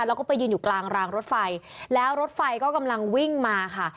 แล้วก็ไปยืนอยู่กลางรางรถไฟแล้วรถไฟก็กำลังวิ่งมาค่ะ